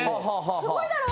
すごいだろ？